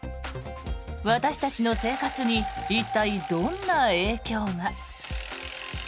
私たちの生活に一体、どんな影響が。